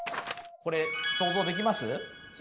これ想像できます？